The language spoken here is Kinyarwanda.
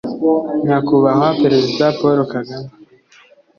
Nyakubahwa Perezida Paul Kagame